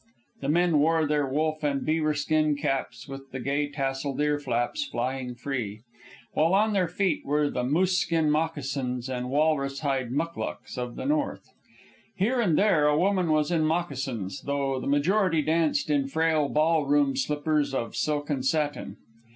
The men wore their wolf and beaver skin caps, with the gay tasselled ear flaps flying free, while on their feet were the moose skin moccasins and walrus hide muclucs of the north. Here and there a woman was in moccasins, though the majority danced in frail ball room slippers of silk and satin.